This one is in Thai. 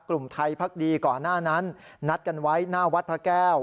กลุ่มไทยพักดีก่อนหน้านั้นนัดกันไว้หน้าวัดพระแก้ว